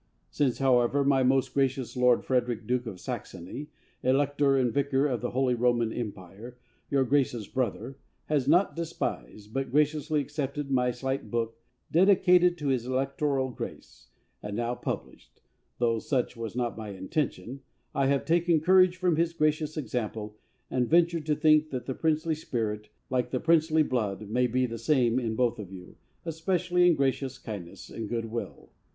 Since, however, my most gracious Lord Frederick, Duke of Saxony, Elector and Vicar of the Holy Roman Empire, your Grace's brother, has not despised, but graciously accepted my slight book, dedicated to his electoral Grace, and now published though such was not my intention, I have taken courage from his gracious example and ventured to think that the princely spirit, like the princely blood, may be the same in both of you, especially in gracious kindness and good will.